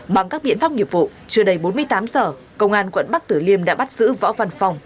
bằng các biện pháp nghiệp vụ trưa đầy bốn mươi tám giờ công an quận bắc tử liêm đã bắt giữ võ văn phong